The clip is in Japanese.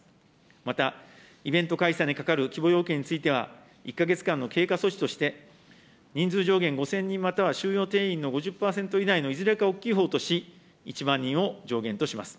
また、イベント開催にかかる規模要件については、１か月間の経過措置として、人数上限５０００人、または収容定員の５０％以内のいずれか大きいほうとし、１万人を上限とします。